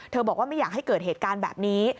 บอกว่าไม่อยากให้เกิดเหตุการณ์แบบนี้